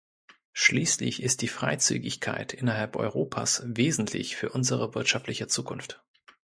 Schließlich ist die Freizügigkeit innerhalb Europas wesentlich für unsere wirtschaftliche Zukunft.